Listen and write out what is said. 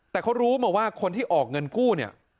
แต่เขารู้มาว่าคนที่ออกเงินกู้เนี่ย